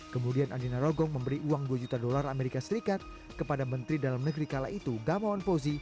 kemudian andi narogong memberi uang dua juta dolar amerika serikat kepada menteri dalam negeri kala itu gamawan fauzi